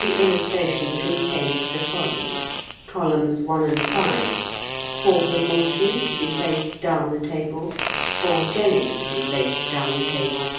[Illustration: Containing the following ] [Columns 1 and 5] 4 Blancmanges, to be placed down the table. 4 Jellies, to be placed down the table.